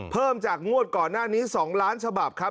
เพิ่มจากงวดก่อนหน้านี้๒ล้านฉบับครับ